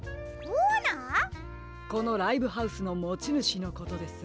このライブハウスのもちぬしのことです。